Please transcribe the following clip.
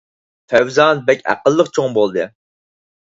فەۋزان بەك ئەقىللىق چوڭ بولدى